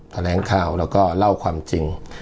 แถลงข่าวแล้วก็เล่าความจริง